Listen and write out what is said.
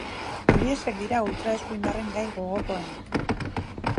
Horiexek dira ultra-eskuindarren gai gogokoenak.